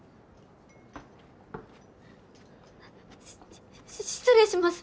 し失礼します。